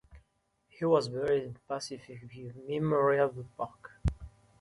He was buried in Pacific View Memorial Park.